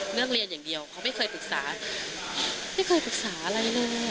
เลือกเรียนอย่างเดียวเขาไม่เคยปรึกษาไม่เคยปรึกษาอะไรเลย